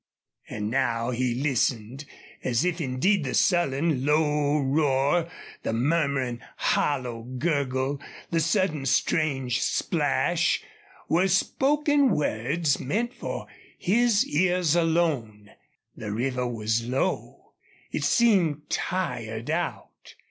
And now he listened, as if indeed the sullen, low roar, the murmuring hollow gurgle, the sudden strange splash, were spoken words meant for his ears alone. The river was low. It seemed tired out.